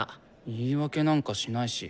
言い訳なんかしないし。